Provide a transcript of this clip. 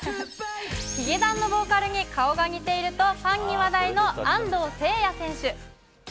ヒゲダンのボーカルに顔が似ていると、ファンに話題の安藤誓哉選手。